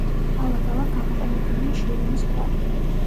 ალაგ-ალაგ გამოყენებულია შირიმის ქვა.